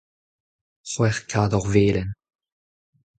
c'hwec'h kador velen.